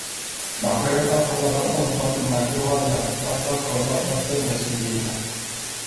Ɓàbwɛɛ ɓa kɔ̀la ɓa ɓɔ̂ŋ ɓɔn màyɛwa lā ɓa ta kɔ̀la ɓa pɛndɛ̄s ŋ̀yeŋga.